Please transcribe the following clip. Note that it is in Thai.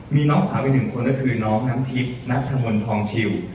มีน้องสาวอีกหนึ่งคนก็คือน้องน้ำทิพย์นัทธมนต์ทองชิว